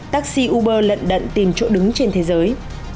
taxi uber lận đận tìm chỗ đứng trên thế giới